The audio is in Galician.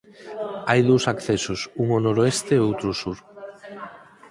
Hai dous accesos un ao noroeste e outro ao sur.